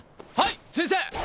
はい先生！